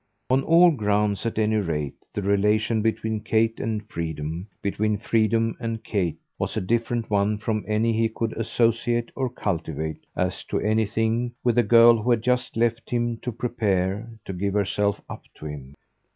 On all grounds, at any rate, the relation between Kate and freedom, between freedom and Kate, was a different one from any he could associate or cultivate, as to anything, with the girl who had just left him to prepare to give herself up to him.